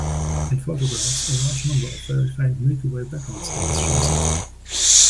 In photographs, a large number of very faint Milky Way background stars shows up.